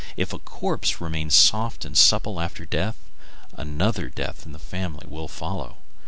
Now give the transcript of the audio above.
If a corpse remains soft and supple after death, another death in the family will follow.